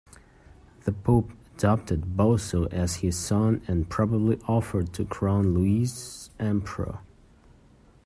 The Pope adopted Boso as his son and probably offered to crown Louis emperor.